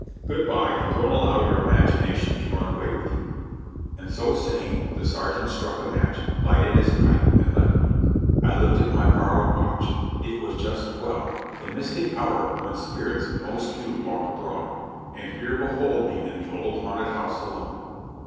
Good by, and don't allow your imagination to run 92 JOHNNY REB AND BILI,Y YANK away with you." And so saying the sergeant struck a match, lighted his pipe and left me. I looked at my borrowed watch ; it was just twelve — the mystic hour when spirits most do walk abroad ; and here behold me in the old haunted house alone